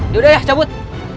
yaudah ya cabut